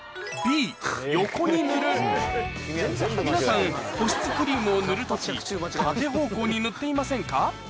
皆さん保湿クリームを塗る時縦方向に塗っていませんか？